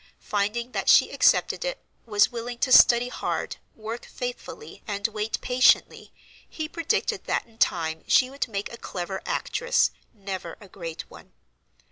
Finding that she accepted it, was willing to study hard, work faithfully, and wait patiently, he predicted that in time she would make a clever actress, never a great one.